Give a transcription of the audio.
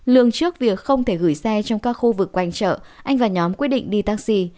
lương trước việc không thể gửi xe trong các khu vực quanh chợ anh và nhóm quyết định đi taxi